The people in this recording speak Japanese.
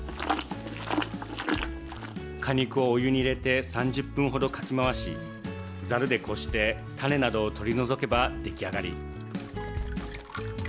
果肉をお湯に入れて３０分ほどかき回しザルでこして種などを取り除けばできあがり。